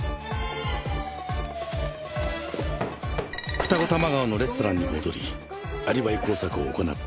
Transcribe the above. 二子玉川のレストランに戻りアリバイ工作を行ったあと。